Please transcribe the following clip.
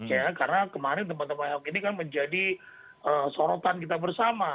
ya karena kemarin teman teman ahok ini kan menjadi sorotan kita bersama